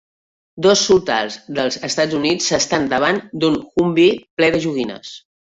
Dos soldats dels EUA s'estan davant d'un Humvee ple de joguines.